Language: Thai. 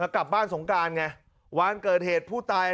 กลับบ้านสงการไงวันเกิดเหตุผู้ตาย